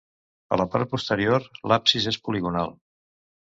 A la part posterior, l'absis és poligonal.